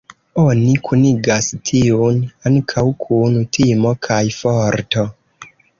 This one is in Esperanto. Oni kunigas tiun ankaŭ kun timo kaj forto.